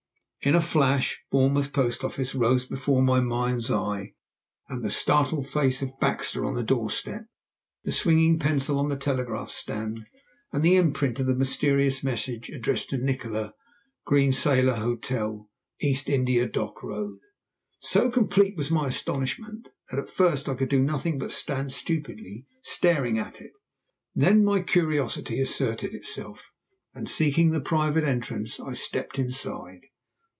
In a flash Bournemouth post office rose before my mind's eye, the startled face of Baxter on the door step, the swinging pencil on the telegraph stand, and the imprint of the mysterious message addressed to "Nikola, Green Sailor Hotel, East India Dock Road." So complete was my astonishment that at first I could do nothing but stand stupidly staring at it, then my curiosity asserted itself and, seeking the private entrance, I stepped inside.